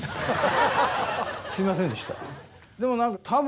すみませんでした。